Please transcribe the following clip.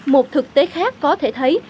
một thực tế khác có thể thấy